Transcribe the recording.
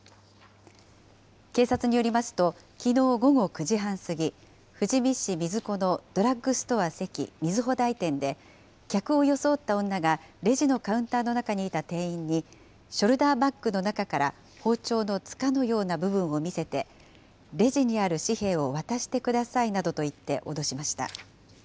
警察によりますと、きのう午後９時半過ぎ、富士見市水子のドラッグストアセキみずほ台店で、客を装った女が、レジのカウンターの中にいた店員に、ショルダーバッグの中から包丁のつかのような部分を見せて、レジにある紙幣を渡してくださいなどと言って脅しました。